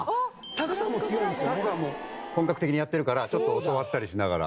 拓はもう本格的にやってるからちょっと教わったりしながら。